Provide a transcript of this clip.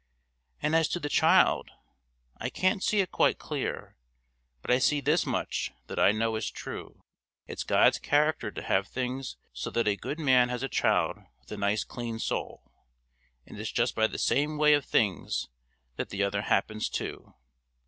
And as to the child, I can't see it quite clear; but I see this much that I know is true: it's God's character to have things so that a good man has a child with a nice clean soul, and it's just by the same way of things that the other happens too.